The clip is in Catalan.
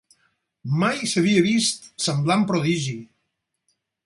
Mai s'havia vist semblant prodigi!